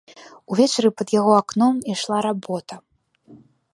Увечары пад яго акном ішла работа.